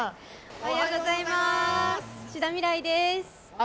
おはようございます。